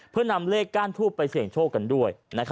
เพื่อนำเลขก้านทูบไปเสี่ยงโชคกันด้วย